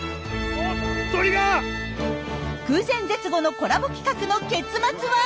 空前絶後のコラボ企画の結末は！？